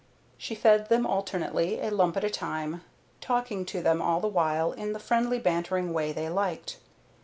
She fed them alternately, a lump at a time, talking to them all the while in the friendly bantering way they liked.